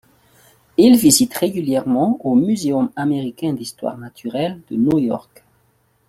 Il visite régulièrement au Muséum américain d'histoire naturelle de New York.